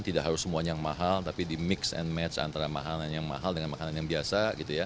tidak harus semuanya yang mahal tapi di mix and match antara makanan yang mahal dengan makanan yang biasa gitu ya